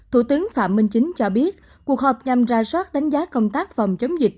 thủ tướng phạm minh chính cho biết cuộc họp nhằm ra soát đánh giá công tác phòng chống dịch